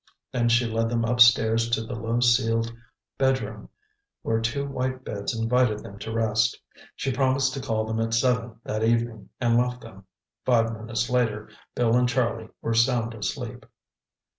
Then she led them upstairs to the low ceiled bedroom, where two white beds invited them to rest. She promised to call them at seven that evening and left them. Five minutes later, Bill and Charlie were sound asleep.